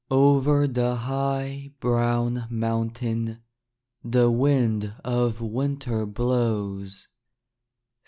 Over the high, brown mountain The wind of winter blows.